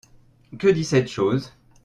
Que dit cette chose ?